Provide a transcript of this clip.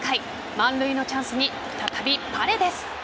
満塁のチャンスに再びパレデス。